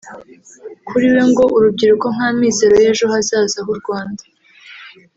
Kuri we ngo urubyiruko nk’amizero y’ejo hazaza h’u Rwanda